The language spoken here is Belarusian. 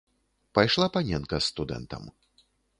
Пайшла паненка з студэнтам.